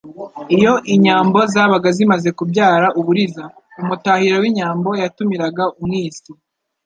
Iyo inyambo zabaga zimaze kubyara uburiza, umutahira w'inyambo yatumiraga umwisi,